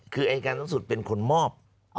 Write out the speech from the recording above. คืออายการสูงสุดเป็นคนมอบ